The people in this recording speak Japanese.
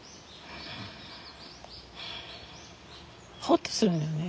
ほっとするのね